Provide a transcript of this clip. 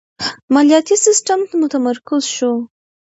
مالیاتی سیستم متمرکز شو.